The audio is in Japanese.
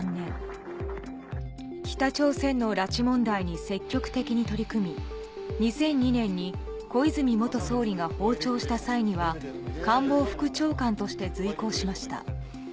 北朝鮮の拉致問題に積極的に取り組み、２００２年に小泉元総理が訪朝した際には、官房副長官として随行しました。